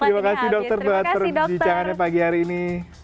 terima kasih dokter buat perbincangannya pagi hari ini